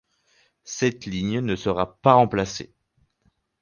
Cette ligne ne sera pas remplacée.